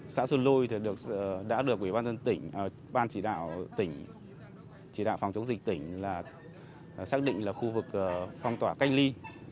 xã xuân lôi đã được quỹ ban dân tỉnh ban chỉ đạo phòng chống dịch tỉnh xác định là khu vực phong tỏa cách ly